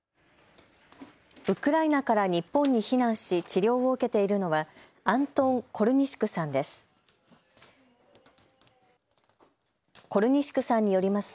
ウクライナから日本に避難し治療を受けているのはアントン・コルニシュクさんです。